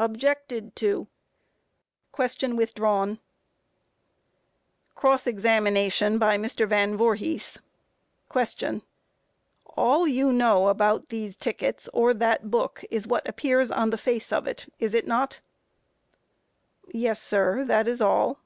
Objected to. Question withdrawn. Cross Examination by MR. VAN VOORHIS. Q. All you know about these tickets or that book, is what appears on the face of it, is it not? A. Yes, sir; that is all.